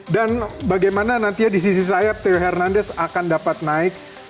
dan bagaimana nantinya di sisi sayap theo hernandez akan dapat naik